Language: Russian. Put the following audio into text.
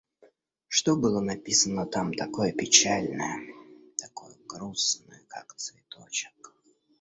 Что было написано там такое печальное, такое грустное, как цветочек?